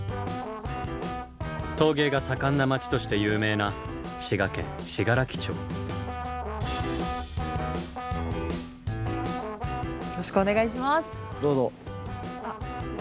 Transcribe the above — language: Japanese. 陶芸が盛んな町として有名なよろしくお願いします。